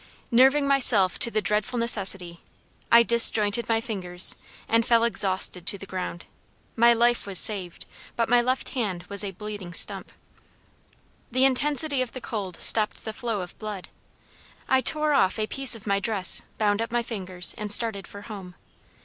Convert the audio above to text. Nerving myself to the dreadful necessity, I disjointed my fingers and fell exhausted to the ground. My life was saved, but my left hand was a bleeding stump. The intensity of the cold stopped the flow of blood. I tore off a piece of my dress, bound up my fingers, and started for home.